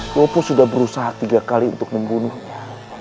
kopo sudah berusaha tiga kali untuk membunuhnya